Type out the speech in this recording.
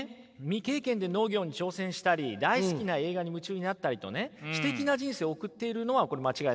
未経験で農業に挑戦したり大好きな映画に夢中になったりとね詩的な人生を送っているのはこれ間違いないですよね。